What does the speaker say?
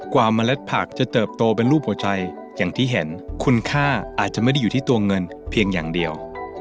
เมล็ดผักจะเติบโตเป็นรูปหัวใจอย่างที่เห็นคุณค่าอาจจะไม่ได้อยู่ที่ตัวเงินเพียงอย่างเดียว